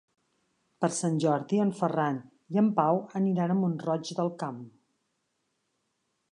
Per Sant Jordi en Ferran i en Pau aniran a Mont-roig del Camp.